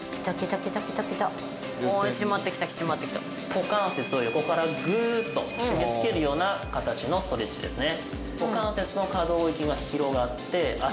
股関節を横からグーッとしめつけるような形のストレッチですね。